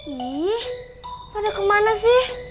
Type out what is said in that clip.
ih lo ada kemana sih